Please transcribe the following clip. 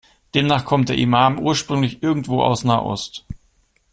Demnach kommt der Imam ursprünglich irgendwo aus Nahost.